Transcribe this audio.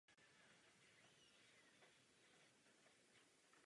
Je dlouholetým spolupracovníkem Davida Bowieho.